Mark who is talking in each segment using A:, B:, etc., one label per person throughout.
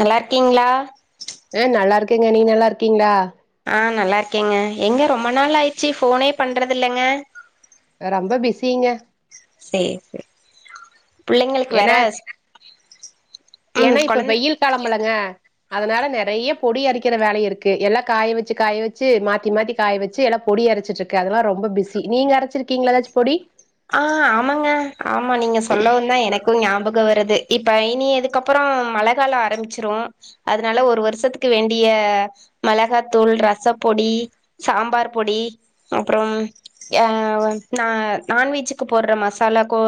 A: நல்லா இருக்கீங்ளா
B: ஹே நல்லா இருக்கெங்க நீங்க நல்லா இருக்கீங்களா
A: ஆஹ் நல்லா இருக்கேங்க எங்க ரொம்ப நாளாஆயிச்சு போனே பண்றது இல்லங்க
B: ரொம்ப பிஸிங்க
A: சேர் சே புள்ளகளுக்கு
B: ஏன்னா
A: வெரஸ் [inaudible]
B: ஏன்னா இப்ப வெயில் காலம்பழங்க அதனால நெறய பொடி அரைக்கிற வேலை இருக்கு எல்லாம் காய வச்சி காய வச்சி மாத்தி மாத்தி காய வச்சி எல்லாம் பொடி அரைச்சிட்டு இருகே அதலாம் ரொம்ப பிஸி நீங்க அரச்சிருக்கீங்கள ஏதாச்சும் பொடி
A: ஆஹ் ஆமாங்க ஆமா நீங்க சொல்லவு தா எனக்கும் ஞாபக க்க வருது இப்ப இனி அதுக்கப்புறம் மளகாலம் ஆரம்மிச்ரூ அதனால ஒரு வருஷத்துக்கு வேண்டிய மிளகாத்தூள் ரசப்பொடி சாம்பார் பொடி அப்புறம் யா நா நான்வெஜ்ஜீக்கு போடுற மசாலா கோ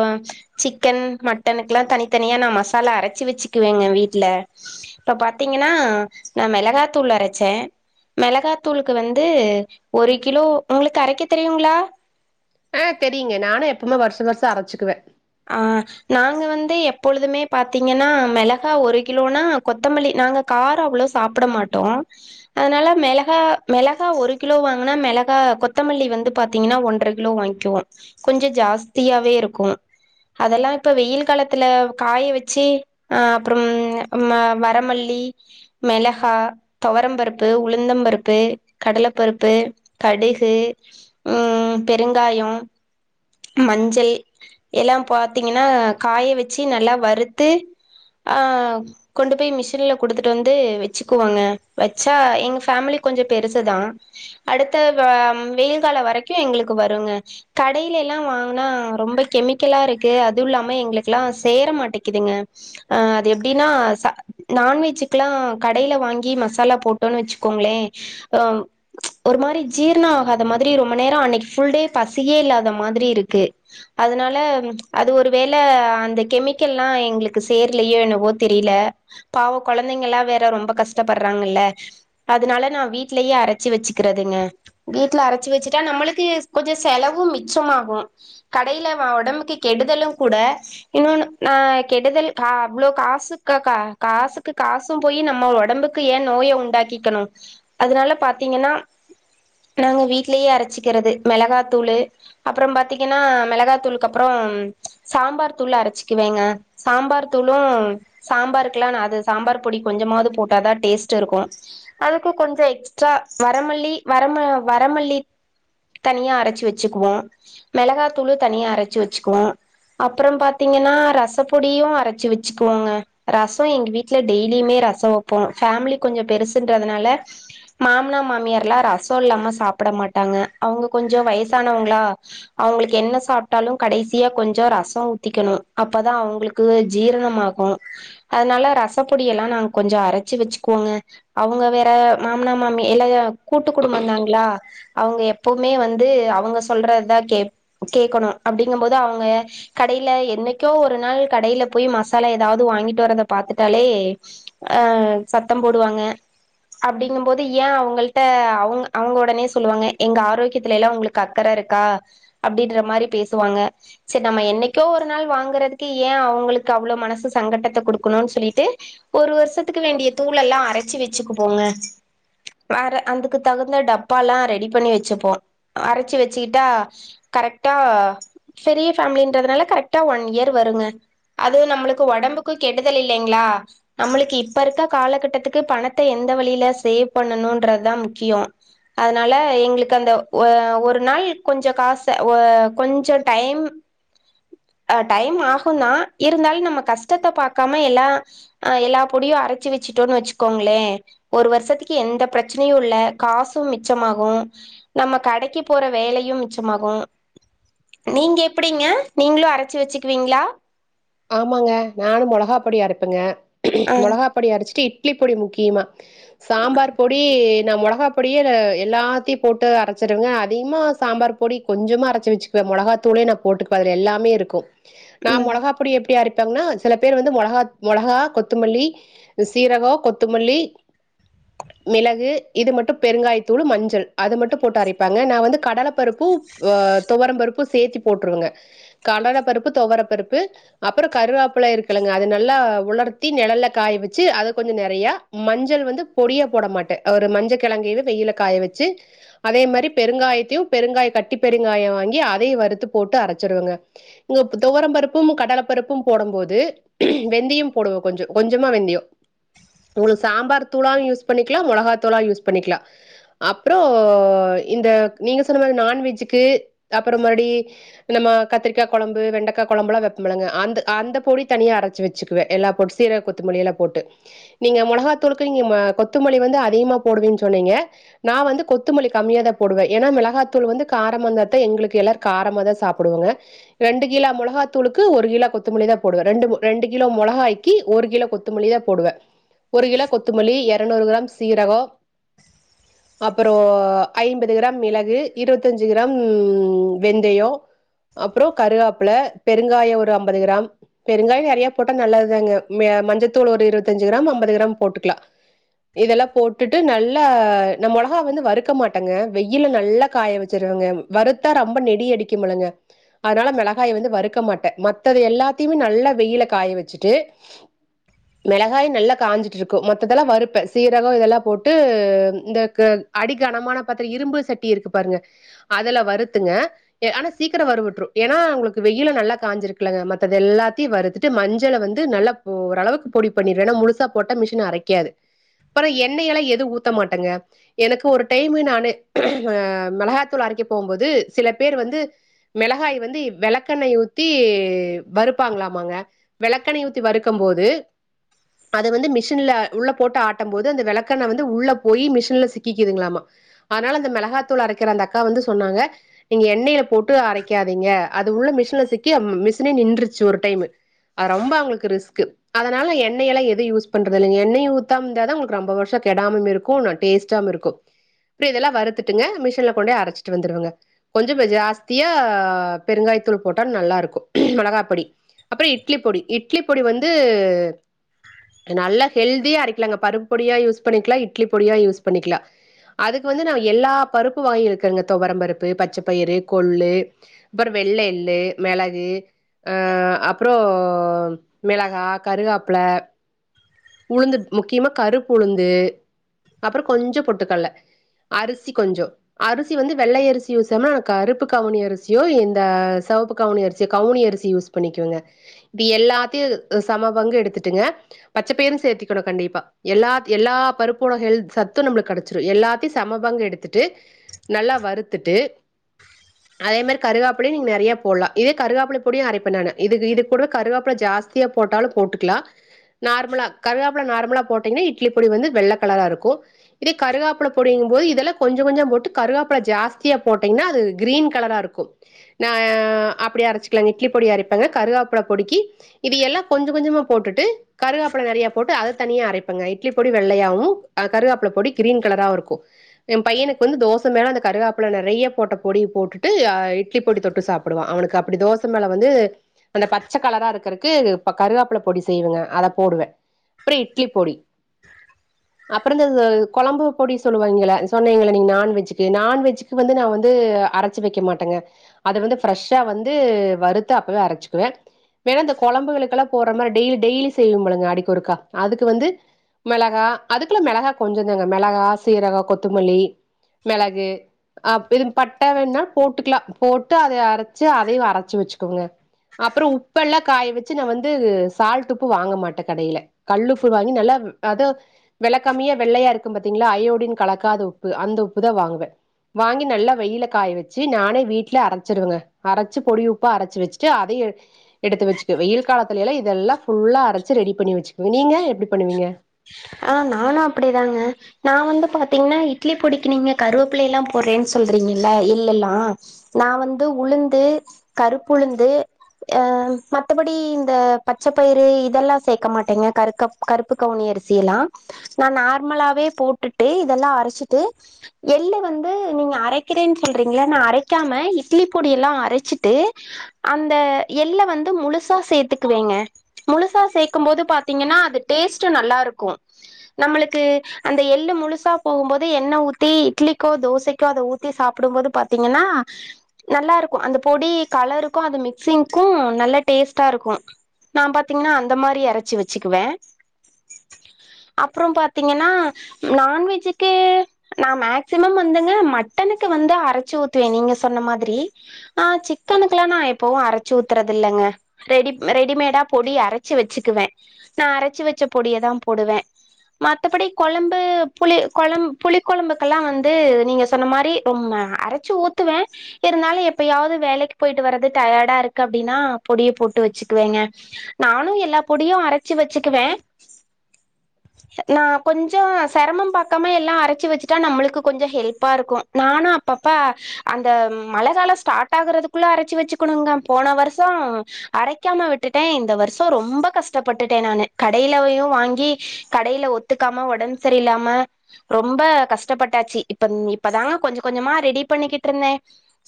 A: சிக்கன் மட்டனுக்கெல்லாம் தனித்தனியா நான் மசாலா அரச்சு வச்சுகுவேங்க வீடுல இப்ப பாத்தீங்கனா நான் மிளகாதூள் அரச்சேன் மிளகாதூளுக்கு வந்து ஒரு கிலோ உங்களுக்கு அரைக்க தெரியுங்களா
B: ஆஹ் தெரியங்க நானும் எப்பவுமே வருஷம் வருஷம் அரைச்சுகுவேன்
A: ஆஹ் நாங்க வந்து எப்பொழுதுமே பாத்தீங்கனா மிளகா ஒரு கிலோனா கொத்தமல்லி நாங்க காரம் அவ்வளவு சாப்பிட மாட்டோம் அதனால மிளகா மிளகா ஒரு கிலோ வாங்குனா மிளகா கொத்தமல்லி வந்து பாத்தீங்கனா ஒன்ற கிலோ வாங்கிவோம் கொஞ்சம் ஜாஸ்தியாவே இருக்கும் அதலாம் இப்ப வெயில் காலத்துல காய வச்சு அஹ் அப்புறம் வரமல்லி மிளகா துவரம்பருப்பு உளுந்தம்பருப்பு கடலப்பருப்பு கடுகு உஹம் பெருங்காயம் மஞ்சள் எல்லாம் பாத்தீங்கனா காய வச்சு நல்லா வறுத்து ஆஹ் கொண்டுபோய் மிஷினல கொடுதுட்டு வந்து வச்சுக்குவாங்க வச்சா எங்கஃபேமிலி கொஞ்ச பெருசுதான் அடுத்த வ வெயில்காலம் வரக்கியும் எங்களுக்கு வருங்க கடையில எல்லாம் வாங்குனா ரொம்ப கேமிக் இருக்கு அது இல்லாம எங்களுக்குல்லாம் சேரமாட்டிகிதுங்க அது எப்டின்னா நான்வெஜுக்கலாம் கடையில வாங்கி மசாலா போட்டோனுவச்சுக்கோங்களே ம் ஒரு மாதிரி ஜீரணம் ஆகாதமாதிரி ரொம்பநேரம் அன்னைகு ஃபுல்டே பசியே இல்லாத மாதிரி இருக்கு அதனால அது ஒருவேளை அந்த கெமிக்கல்லாம் எங்களுக்கு சேரலயோ என்னவோ தெரியல பாவ குழந்தங்கல்லாம் வேற ரொம்ப கஷ்டப்படுறாங்கல அதனால நான் வீட்லேயே அரச்சு வச்சுக்கிறதுங்க வீட்ல அரச்சுவச்சுக்கிட்டா நம்மளுக்கு கொஞ்சம் செலவு மிச்சமாகும் கடையில உடம்புக்கு கெடுதலும் கூட இன்னொனு ந கெடுதல் அவ்ளோ காசு கா காசுக்கு காசும் போய் நம்ம உடம்புக்கு யான் நோய உண்டாக்கிக்கணும் அதனால பாத்தீங்கனா நாங்க வீடலயே அரச்சுக்குறது மிளகாத்தூலு அப்பறம்பாத்தீங்கனா மிளகா தூலுக்கு அப்பறமசாம்பார் தூள் அரைச்சிக்குவேங்க சாம்பார தூளும் சாம்பாருக்கெல்லாம்நான் அது சாம்பார் பொடி கொஞ்சமாவது போட்டாதான் டேஸ்ட் இருக்கும் அதுக்கும் கொஞ்சம் எக்ஸ்ட்ரா வரமல்லி வரம வரமல்லி தனியா அரைச்சி வச்சுக்குவோம் மிளகாயா தூளு தனியா அரச்சு வச்சுக்குவோம் அப்பறம் பா்த்தீங்கனா ரச பொடியும் அரச்சு வச்சுக்குவோங்க ரசம் எங்க வீட்டுல டெய்லியுமே ரசம் வைப்போம் பேமிலி கொஞ்சம் பெருசுன்றதுனால மாமனா மாமியார்ல்லாம் ரசம் இல்லாம சாப்பிட மாட்டாங்க அவங்க கொஞ்சம் வயசானவங்களா அவங்களுக்கு என்ன எது சாப்டாலும் கடைசியா கொஞ்சம் ரசம் ஊத்திக்கணும் அப்பதான் அவங்களுக்கு ஜீரணமாகும் அதனால ரசப்பொடியெல்லாம் நாங்க கொஞ்சம் அரைச்சுவச்சுக்குவோங்க அவங்க வேற மாமனா மாமி எல்லாம் கூட்டு குடும்பதானங்களா அவங்க எப்பவுமே வந்து அவங்க சொல்றததான் கேப் கேட்கணும் அப்டிங்கும் போது அவங்க கடையில என்னைக்கோ ஒரு நாள் கடயில போய் மசாலா ஏதாவது வாங்கிட்டுவரத பாத்துட்டாலே ஷ சத்தம் போடுவாங்க அப்டிங்கும் போது ஏன் அவங்கள்ட்ட அவங்க அவங்க உடனே சொல்லுவாங்க எங்க ஆரோக்கியத்தலெல்லாம் அவங்களுக்கு அக்கறை இருக்கா அப்படின்ற மாரி பேசுவாங்க ச் சரி ம்ம என்னைக்கோ ஒரு நாள் வாங்குறதுக்கு ஏன் அவங்களுக்கு அவ்ளோ மனசு சங்கடத்த கொடுக்கணும்னு சொல்லிட்டு ஒரு வருஷத்துக்கு வேண்டிய தூள்லெல்லாம் அரச்சு வச்சுக்குப்போங்க அதுக்குதகுந்த டப்பாலாம் ரெடி பண்ணி வச்சுப்போம் அரச்சு வச்சுக்கிட்டா கரெக்ட் ர பெரிய ஃபேமிலிங்குறதுனால கரெக்டா ஒன் இயர் வருங்க அது நம்மளுக்கு உடம்புக்கும் கெடுதல் இல்லங்களா நம்மளுக்கு இப்ப இருக்க காலகட்டத்துக்கு பணத்தை எந்த வழியில சேவ் பண்ணணும்றதுதான் முக்கியம் அதனால எங்களுக்கு அந்த ஒரு நாள் கொஞ்ச காசு கொஞ்சம் டைம் அ டைம் ஆகும்தான் இருந்தாலும் நம்ம கஷ்டத பாக்காம எல்லாம் ஹ எல்லா பொடியும் அரச்சு வச்சுட்டோன்னு வச்சுக்கோங்களே ஒரு வருஷத்துக்கு எந்த பிரச்சனையும் இல்ல காசும் மிச்சமாகும் நம்ம கடக்கி போற வேலையும் மிச்சமாகும் நீங்க எப்டிங்க நீங்களும் அரச்சு வச்சுக்குவீங்களா
B: ஆமாங்க நானும் மோளகா பொடிய அறப்பேங்கா க்கும்
A: ஆ
B: மோளகாப்பொடி அடிச்சுட்டு ப்ம் இட்லிப்பொடி முக்கியமா சாம்பார் பொடியீ நான் மோளகாபொடியே எல்லாத்தையும் போட்டு அரச்சுடுவேன் அதுவுமே சாம்பார் பொடி கொஞ்சமா அரச்சு வச்சுக்குவேன் மிளகாத்தூளே நான் போட்டுகுவேன் அதுல எல்லாமே இருக்கும் நான்
A: ம்
B: மோளகா ப் எப்டி அரப்பாங்கனா சில பேர் வந்து மோளகா மோளகா கொத்தமல்லி சீரகம் கொத்தமல்லி மிளகு இது மட்டும் பெருங்காயத்தூள் மஞ்சள் அது மட்டும் போட்டு அரப்பாங்க நான் வந்து கடலைப்பருப்பு துவரப்பருப்பு சேத்து போட்டுருவேன் கடலைப்பருப்பு துவரப்பருப்பு அப்பறம் கருகப்புள்ளை இருக்குலங்க அத நல்லா உலர்த்தி நிழல்ல காய வச்சு அது கொஞ்ச நிறைய மஞ்சள் வந்து பொடியா போட மாட்டேன் ஒரு மஞ்சள் கிழங்கையும் வெயில காய வச்சு அதே மாதிரி பெருங்காயத்தையும் பெருங்காய கட்டிபெருங்காயம் வாங்கி அதையும் வறுத்து போட்டு அரைச்சடுவங்க இங்க துவரம்பருப்பும் கடல பருப்பும் போடும் போது வெந்தியம் போடுவோம் கொஞ்சம் கொஞ்சமா வெந்தயம் நீங்க சாம்பார் தூளாகும் யூஸ் பண்ணிக்கலாம் மோளகா தூளாவும் யூஸ் பண்ணிக்கலாம் அப்பறம் இந்த நீங்க சொன்னமாதிரி நான்வெஜ்ஜுக்கு அப்புறம் இந்த நம்ம கத்திரிக்காகுழம்பு வெண்டக்காகுழம்புல்லாம் வைப்பலுங்க அந்த பொடி தனியா அரச்சு வச்சுக்குவேன் எல்லா பொட் சீரக கொத்தமல்லியேல்லாம் போட்டு நீங்க மோளகாத்தூளுக்குனு நீங்க கொத்தமல்லி வந்து அதிகமா போடுவேன்னு சொன்னீங்க நான்வந்து கொத்தமல்லி கம்மியதான் போடுவேன் ஏன்னா மிளகாத்தூள் வந்து காரமாயிருந்தாத எங்களுக்கு எல்லாரும் காரமா தான் சாப்பிடுவங்க ரெண்டு கிலோ மோளகாத்தூளுக்கு ஒரு கிலோ கொத்தமல்லி தான் போடுவேன் ரெண்டு ரெண்டு கிலோ மிளகாக்கி ஒரு கிலோ கொத்தமல்லி தான் போடுவேன் ஒரு கிலோ கொத்தமல்லி இப் எண்ணுரு கிராம் சீரகம் அப்றேம் ஐம்பது கிராம் மிளகு இருபத்தஞ்சு கிராம் வெந்தயம் அப்புறம் கருகாப்பில பெருங்காயம் ஒரு அம்ப பது கிராம் பெருங்காயம் நிறைய போட்டா நல்லதுதாங்க மஞ்சத்தூள் ஒரு இருபத்தஞ்சு கிராம் ஐம்பது கிராம் போட்டுக்கலாம் இதல்லாம் போட்டுட்டு நல்லா ந மோளகா வந்து வறுக்கமாட்டேங்க வெயில நல்லா காய வச்சிருவங்க வறுத்தா ரொம்ப நெடி அடிக்குமுலங்க அதனால மிளகாய வந்து வறுக்க மாட்டேன் மத்தாது எல்லாத்துதியும் நல்லா வெயில காய வச்சுட்டு மிளகாயும் நல்லா காஞ்சிட்டுயிருக்கும் மத்ததெல்லாம் வறுப்பேன் சீரகம் இதெல்லாம் போட்டு இந்த அடிகனமான பாதிரம் இரும்புசட்டி இருக்கு பாருங்க அதுல வருறுத்துங்க ஆனா சீக்கிரம் வருபட்டுரும் ஏன்னா உங்களுக்கு வெயிலு நல்லா காயஞ்சிரு மத்தாது எல்லாத்தையும் வருத்துட்டு மஞ்சள வந்து நல்லா ஓரளவுக்கு பொடி பண்ணிடரனும் முழுசா போட்டா மிஷின் அரக்காது அப்பறம் எண்ணெயேல்லாம் எதுவும் ஊத்த மாட்டேங்க எனக்கு ஒரு டைம் நானு மிளகாயத்தூள் அரக்க போம்போது சில பேர் வந்து மிளகாய் வந்து விளக்கெண்ணெய் ஊத்தி வருப்பாங்களாமாங்க விளக்கெண்ண ஊத்தி வறுக்கும் போது அது வந்து மிஷின்ல உள்ள போட்டு ஆட்டம் போது அந்த விளக்கெண்ண வந்து உள்ள போய் மிஷின்ல சிக்கிகுதுங்களாமா அதனால அந்த மிளகாத்தூள் அரக்கிற அந்த அக்கா வந்து சொன்னாங்க நீங்க எண்ணெயில போட்டு அரைக்காதீங்க அது உள்ள மிஷின்ல சிக்கி மிஷ் நின்றுச்சு ஒருடை அது ரொம்ப அவளுக்கு ரிஸ்க்கு அதனால எண்ணெயெல்ல எது யூஸ் பண்றது இல்ல எண்ணய ஊத்தமந்தான் ரொம்ப வருஷம் கெடாம இருக்கும் டேஸ்டும் இருக்கும் இப்ப இதெல்லாம் வருத்துட்டுங்க மிஷின்ல கொண்டே அரச்சிட்டு வந்துருவேங்க கொஞ்சம் ஜாஸ்தியா பெருங்காய தூள் போட்டா நல்லா இருக்கும் மோளகாப்பொடி அப்பறம் இட்லிபொடி இட்லி பொடி வந்து நல்லா ஹெல்தியாக அரக்கலாங்க பருப்பு பொடியாக யூஸ் பண்ணிக்கலாம் இட்லி பொடியா யூஸ் பண்ணிக்கலாம் அதுக்கு வந்து ந எல்லா பருப்பு வகையும் இருக்குங்க துவரம்பருப்பு பச்சைப்பயிறு கொள்ளு அப்பறம் வெள்ளஎள்ளு மெளகு அஹ் அப்பறம் மிளகா கருகளைப்பிள உளுந்து முக்கியமா கருப்புஉளுந்து அப்பறம் கொஞ்ச பொட்டுக்கடல அரிசி கொஞ்சம் அரிசி வந்து வெள்ளைஅரிசி யூஸ் கருப்புகவுனி அரிசியும் இந்த செவப்பு கவுனி அரிசியோ கவுனி அரிசி யூஸ் பண்ணிக்கோங்க இது எல்லாத்தையும் சம பங்கு எடுத்துட்டுங்க பச்சபயிரும் சேத்திக்கணும் கண்டிப்பா எ எல்லா பருப்போட கேல்த் சத்தும் கிடச்சுரும் எல்லாத்தையும் சமப்பாங்கு எடுத் வந்துட்டு நல்லா வருத்துட்டு அதே மாதிரி கருகாப்புல நெறைய போடலாம்இதேகருகாபுலபொடி அரப்பநானு இதுகூட கருகாப்புல ஜாஸ்தியா போட்டாலும் போட்டுக்கலா நார்மலா கருகாப்பல நார்மலா போட்டீங்கன்னா இட்லி பொடி வந்து வெள்ள கலரா இருக்கும் இதே கருகாப்பள பொடிங்கும் போது இதெல்லாம் கொஞ்சம் கொஞ்சம் போட்டு கருகாப்பல ஜாஸ்தியா போட்டீங்கன்னா அது கிரீன் கலரா இருக்கும் நஹ் அப்படியே அரைச்சிக்கலாங்க இட்லி பொடி அரைப்பாங்க கருகாப்பல பொடிக்கு இது எல்லாம் கொஞ்சம் கொஞ்சமா போட்டுட்டு கருகாப்பளை நிறையா போட்டு அதை தனியா அரைப்பேங்க இட்லி பொடி வெள்ளையாகவும் கருகாப்பில பொடி க்ரீன் கலராகவும் இருக்கும் என் பையனுக்கு வந்து தோசை மேலே அந்த கருகாப்பளை நெறைய போட்ட பொடி போட்டுட்டு இட்லி பொடி தொட்டு சாப்பிடுவான் அவனுக்கு அப்படி தோசை மேலே வந்து அந்த பச்சை கலராக இருக்கறக்கு கருகாப்பளை பொடி செய்வேங்க அதை போடுவே இட்லிபொடி அப்பறந்த கொழம்பு பொடி சொல்லுவாங்கள சொன்னிங்கள நீங்க நான் வெஜ்க்கு நா வந்து அரைச்ச வைக்க மாட்டேங்க வந்து ஃபெஸ்ஸா வந்து வறுத்து வந்து அப்பவே அரச்சிக்குவே அந்த கொழம்புகளுக்கு போற மாதிரில டெய்லி செய்பழுங்க அடிக்குறுக்கா அதுக்கு வந்து மிளகாய் அதுக்குள்ள மிளகாய்கொஞ்சோ தாங்க மிளகாய் சீரகம் கொத்தமல்லி மிளகு இது பட்டை வேணுனா போட்டுக்கலாம் போட்டு அதை அரைச்சு அதையும் அரைச்சு வச்சுக்கோங்க அப்புறம் உப்பெல்லாம் காய வச்சு நான் வந்து சால்ட் உப்பு வாங்க மாட்டே கடையில கல்லு உப்பு வாங்கி நல்லா அதோ வெளக்கம்மியா வெள்ளையா இருக்கு பாத்தீங்களா அயோடின் கலக்காத உப்பு அந்த உப்பு தான் வாங்குவே வாங்கி நல்லா வெயில காய வச்சு நானே வீட்டுல அரைச்சிடுவேங்க அரைச்சு பொடி உப்பா அரைச்சு வச்சுட்டு அதைய எடுத்து வச்சுடுவே வெயில் காலத்துல எல்லாம் இதெல்லாம் ஃபுல்லா அரைச்சு ரெடி பண்ணி வச்சுக்குவே நீங்க எப்புடி பண்ணுவீங்க
A: ஆஹ் நானும் அப்டிதாங்க நான் வந்து பாத்தீங்கன்னா இட்லி பொடிக்கு நீங்க கருவப்பிள்ளைல்லாம் போடுறேன்னு சொல்றீங்கல்ல இல்லல்லாம் நான் வந்து உளுந்து கருப்பு உளுந்து அஹ் மத்தபடி இந்த பச்சைப்பயிறு இதெல்லாம் சேர்க்க மாட்டேங்க கரு கருப்பு கவு செய்யலாம் நான் நார்மலாவே போட்டுட்டு இதெல்லாம் அரைச்சிட்டு எள்ளு வந்து நீங்க அரைக்கிறேன்னு சொல்றீங்கள நான் அரைக்காம இட்லி பொடிய எல்லாம் அரைச்சிட்டு அந்த எள்ள வந்து முழுசா சேத்துக்குவேங்க முழுசா சேக்கும் போது பாத்தீங்கன்னா அது டேஸ்ட்டும் நல்லா இருக்கு நம்மளுக்கு அந்த எள்ளு முழுசா போகும்போது எண்ணெய் ஊத்தி இட்லிக்கோ தோசைக்கோ அதை ஊத்தி சாப்புடும்போது பாத்தீங்கன்னா நல்லா இருக்கும் அந்த பொடி கலருக்கும் அது மிக்சிங்க்கும் நல்ல டேஸ்டா இருக்கும் நான் பாத்தீங்கன்னா அந்த மாரி அரைச்சி வச்சுக்குவேன் அப்புறம் பாத்தீங்கன்னா நான்வெஜ்ஜுக்கு நான் மேக்சிமம் வந்துங்க மட்டனுக்கு வந்து அரைச்சு ஊத்துவேன் நீங்க சொன்ன மாதிரி ஆஹ் சிக்கனுக்கு எல்லா நா எப்பவும் அரைச்சு ஊத்துறது இல்லங்க ரெடி ரெடிமேடா பொடி அரைச்சு வச்சுக்குவேன் நான் அரைச்சு வச்ச பொடியதான் போடுவேன் மத்தபடி குழம்பு புளி கொழம்பு புளி கொழம்புக்கெல்லாம் வந்து நீங்க சொன்ன மாதிரி ரொம்ப அரைச்சு ஊத்துவேன் இருந்தாலும் எப்பையாவது வேலைக்கு போயிட்டு வர்றது டயாடா இருக்கு அப்டின்னா பொடிய போட்டு வச்சுக்குவேங்க நானும் எல்லா பொடியும் அரைச்சு வச்சுக்குவேன் நான் கொஞ்சோ சிரமம் பாக்காமா எல்லாம் அரைச்சு வச்சுட்டா நம்மளுக்கு கொஞ்சம் ஹெல்ப்பா இருக்கு நானும் அப்பப்ப அந்த மழ காலம் ஸ்டார்ட் ஆகுறதுக்குள்ள அரச்சு வச்சுக்கணுங்க போன வருஷோ அரைக்காம விட்டுட்டே இந்த வருஷம் ரொம்ப கஷ்டப்பட்டுட்டே நானு கடையிலையும் வாங்கி கடையில ஒத்துக்காம உடம்பு சரியிலாம ரொம்ப கஷ்டப்பட்டாச்சு இப்ப இப்பதாங்க கொஞ்ச கொஞ்சமா ரெடி பண்ணிக்கிட்டு இருந்தேன்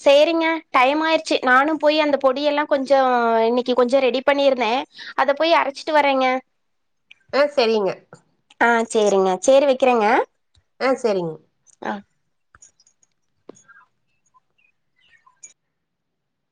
A: சேரிங்க டைம் ஆயிருச்சு நானும் போய் அந்த பொடிய எல்லாம் கொஞ்சம் இன்னைக்கு கொஞ்சம் ரெடி பண்ணியிருந்தேன் அத போய் அரைச்சிட்டு வரேங்க
B: உம் செரிங்க
A: செரிங்க செரி வைக்றேங்க
B: ஆஹ செரிங்க
A: ஆஹ்